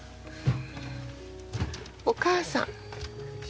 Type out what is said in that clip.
お母さん。